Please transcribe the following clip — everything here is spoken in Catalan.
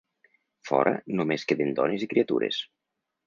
Fora només queden dones i criatures.